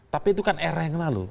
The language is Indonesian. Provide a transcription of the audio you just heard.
tapi itu kan era yang lalu